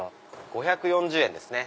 ５４０円ですね。